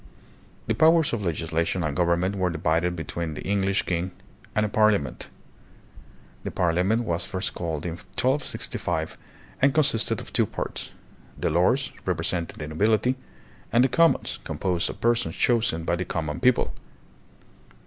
The powers of legislation and government were divided between the English king ,' and a Parliament. The Parliament was first called in 1265 and consisted of two parts, the Lords, represent ing the nobility; and the Commons, composed of persons chosen by the common people.